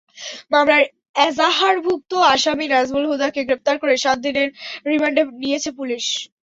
মামলার এজাহারভুক্ত আসামি নাজমুল হুদাকে গ্রেপ্তার করে সাত দিনের রিমান্ডে নিয়েছে পুলিশ।